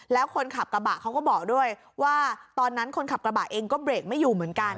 แล้วคนขับกระบะเขาก็บอกด้วยว่าตอนนั้นคนขับกระบะเองก็เบรกไม่อยู่เหมือนกัน